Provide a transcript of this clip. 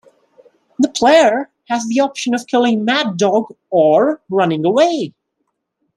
The player has the option of killing Mad Dog or running away.